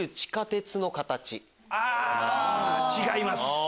あぁ違います。